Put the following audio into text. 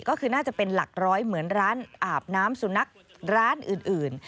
ก็คือน่าจะเป็นหลักร้อยเหมือนร้านอาบน้ำสุนัขร้านอื่น